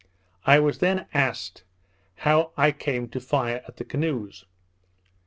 I was then asked, how I came to fire at the canoes?